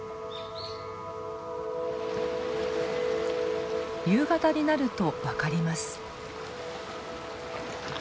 夕方になると分かります。